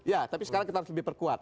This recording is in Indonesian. ya tapi sekarang kita harus lebih perkuat